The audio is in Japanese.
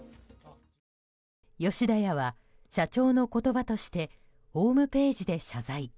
吉田屋は社長の言葉としてホームページで謝罪。